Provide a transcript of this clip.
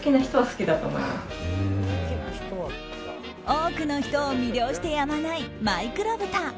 多くの人を魅了してやまないマイクロブタ。